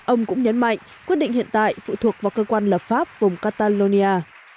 ông cũng nhấn mạnh quyết định hiện tại phụ thuộc vào cơ quan lập pháp vùng catalonia